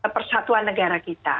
persatuan negara kita